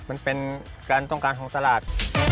มันเป็นการต้องการของตลาด